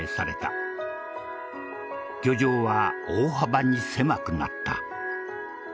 漁場は大幅に狭くなった。